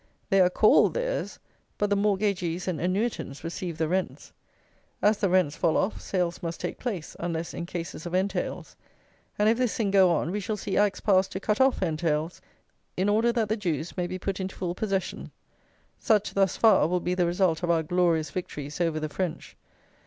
They are called theirs; but the mortgagees and annuitants receive the rents. As the rents fall off, sales must take place, unless in cases of entails; and if this thing go on, we shall see Acts passed to cut off entails, in order that the Jews may be put into full possession. Such, thus far, will be the result of our "glorious victories" over the French!